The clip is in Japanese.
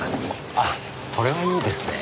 あっそれはいいですねぇ。